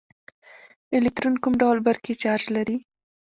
الکترون کوم ډول برقي چارچ لري.